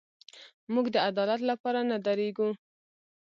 موږ د عدالت لپاره نه درېږو.